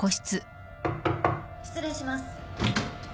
・・失礼します。